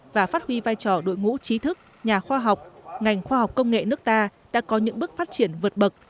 và phát huy vai trò đội ngũ trí thức nhà khoa học ngành khoa học công nghệ nước ta đã có những bước phát triển vượt bậc